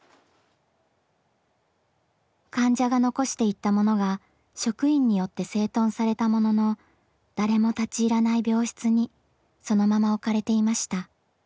患者が残していったものが職員によって整頓されたものの誰も立ち入らない病室にそのまま置かれていました。